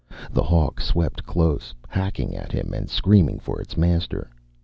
The hawk swept close, hacking at him and screaming for its master.